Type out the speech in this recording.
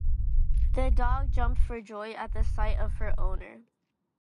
The dog jumped for joy at the sight of her owner.